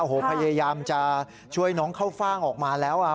โอ้โหพยายามจะช่วยน้องเข้าฟ่างออกมาแล้ว